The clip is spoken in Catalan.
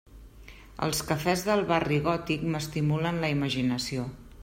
Els cafès del Barri Gòtic m'estimulen la imaginació.